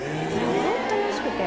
本当においしくて。